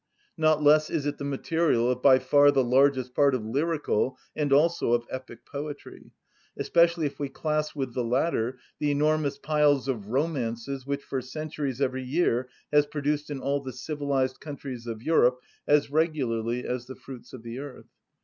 Not less is it the material of by far the largest part of lyrical and also of epic poetry, especially if we class with the latter the enormous piles of romances which for centuries every year has produced in all the civilised countries of Europe as regularly as the fruits of the earth.